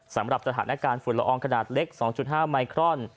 สำหรับสถานการณ์ฝุ่นละอองขนาดเล็ก๒๕ไมครอน